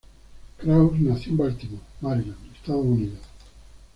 Krauss nació en Baltimore, Maryland, Estados Unidos.